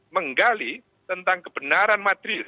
menggali tentang kebenaran matril